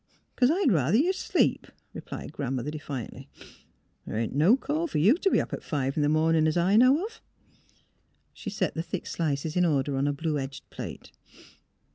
"" 'Cause I'd ruther you'd sleep," replied Grandmother, defiantly. '' The' ain't no call fer you 't be up at five in the mornin', as I know of." She set the thick slices in order on a blue edged plate.